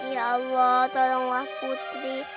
ya allah tolonglah putri